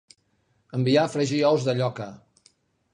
Enviar a fregir ous de lloca.